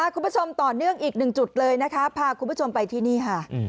คุณผู้ชมต่อเนื่องอีก๑จุดพาคุณผู้ชมไปที่นี่ค่ะ